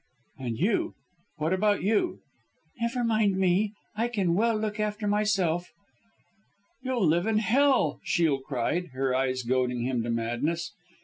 "And you what about you?" "Never mind me I can well look after myself." "You'll live in Hell," Shiel cried, her eyes goading him to madness.